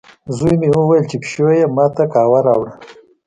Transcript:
زوی مې وویلې، چې پیشو یې ما ته قهوه راوړه.